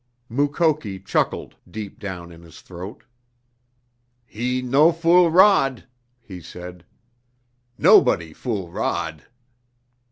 Mukoki chuckled deep down in his throat. "He no fool Rod," he said. "Nobody fool Rod!"